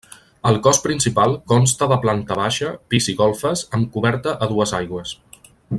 El cos principal consta de planta baixa, pis i golfes amb coberta a dues aigües.